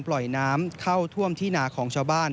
ปล่อยน้ำเข้าท่วมที่นาของชาวบ้าน